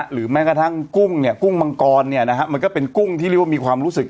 หรือแม้กระทั่งกุ้งเนี่ยกุ้งมังกรมันก็เป็นกุ้งที่เรียกว่ามีความรู้สึก